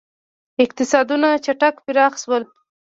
• اقتصادونه چټک پراخ شول.